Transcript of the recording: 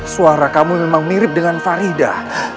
suara kamu memang mirip dengan farida